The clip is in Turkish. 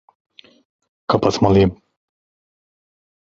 Kapatmalıyım.